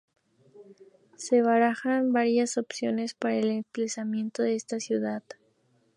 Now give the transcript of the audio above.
Se barajan varias opciones para el emplazamiento de esta ciudad.